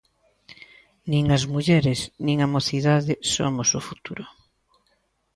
Nin as mulleres nin a mocidade somos o futuro.